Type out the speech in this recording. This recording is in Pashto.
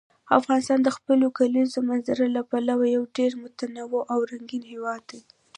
افغانستان د خپلو کلیزو منظره له پلوه یو ډېر متنوع او رنګین هېواد دی.